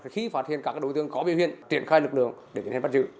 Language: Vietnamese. khi phát hiện các đối tượng có biểu hiện triển khai lực lượng để biến thành bắt giữ